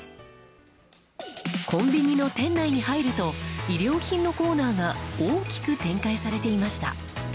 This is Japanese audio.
コンビニの店内に入ると衣料品のコーナーが大きく展開されていました。